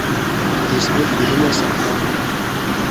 Es wird für immer sein!